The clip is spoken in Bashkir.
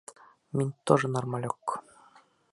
Мин тоже нормалёк.